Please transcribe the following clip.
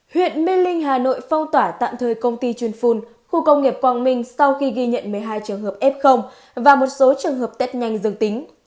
huyện mê linh hà nội phong tỏa tạm thời công ty chuyên phun khu công nghiệp quang minh sau khi ghi nhận một mươi hai trường hợp f và một số trường hợp test nhanh dường tính